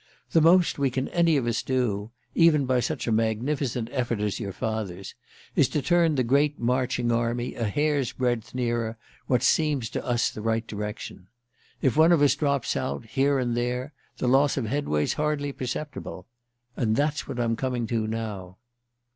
"The most we can any of us do even by such a magnificent effort as your father's is to turn the great marching army a hair's breadth nearer what seems to us the right direction; if one of us drops out, here and there, the loss of headway's hardly perceptible. And that's what I'm coming to now."